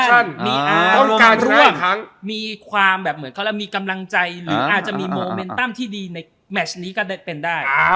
เพราะการร่วมมีความแบบเหมือนเขามีกำลังใจหรืออาจจะมีโมเมนตั้มที่ดีในแมชนี้ก็ได้เป็นได้